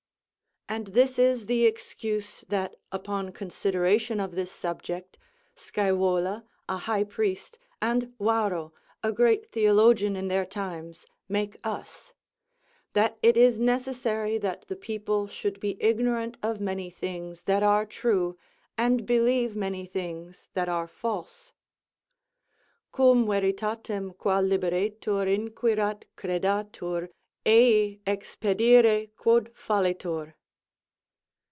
And this is the excuse that, upon consideration of this subject, Scævola, a high priest, and Varro, a great theologian in their times, make us: "That it is necessary that the people should be ignorant of many things that are true, and believe many things that are false." _Quum veritatem qua liberetur inquirat credatur ei expedire quod fallitur.